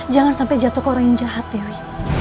jangan sampai jatuh ke orang yang jahat dewi